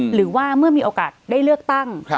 หรือว่าเมื่อมีโอกาสได้เลือกตั้ง